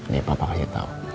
nih papa kasih tau